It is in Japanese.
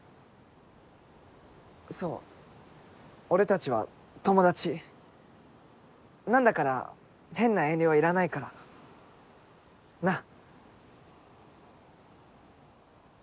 そう俺たちは友達なんだから変な遠慮はいらないからなっ。